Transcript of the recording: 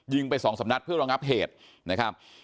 ไปสองสำนัดเพื่อรองับเหตุนะครับ